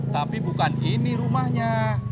tapi bukan ini rumahnya